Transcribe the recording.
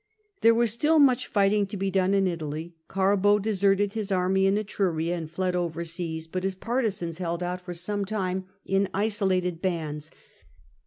There was still much fighting to be done in Italy: Carbo deserted his army in Etruria and fled over seas, but his partisans held out for some time in isolated bands.